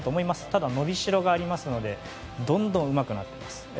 ただ、伸びしろがありますのでどんどんうまくなります。